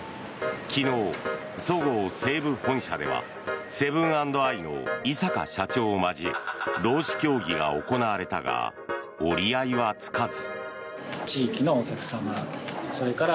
昨日、そごう・西武本社ではセブン＆アイの井阪社長を交え労使協議が行われたが折り合いはつかず。